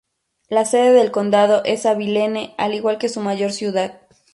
La sede del condado es Abilene, al igual que su mayor ciudad.